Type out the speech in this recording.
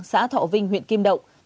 xã thọ vinh huyện kim động